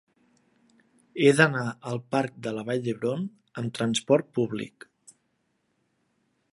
He d'anar al parc de la Vall d'Hebron amb trasport públic.